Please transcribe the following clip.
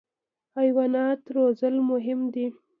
حیوانات روزل مهم دي.